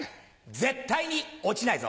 絶対にオチないぞ！